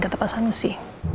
kata pak sanusi